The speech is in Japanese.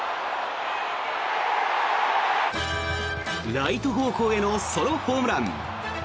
ライト方向へのソロホームラン。